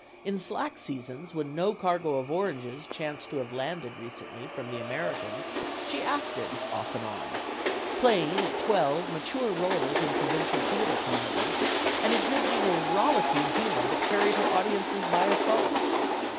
In slack seasons, when no cargo of oranges chanced to have landed recently from the Americas, she acted, off and on; playing, at twelve, mature roles in provincial theater comedies, and ex hibiting a rollicking humor that carried her audiences by assaut.